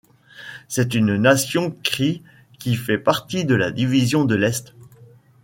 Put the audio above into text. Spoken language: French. C'est une nation crie qui fait partie de la division de l'Est.